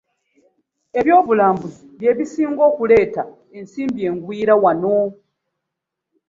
Ebyobulambuzi bye bisinga okuleeta ensimbi engwira wano.